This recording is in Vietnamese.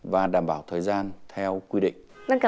và đảm bảo thời gian theo quy định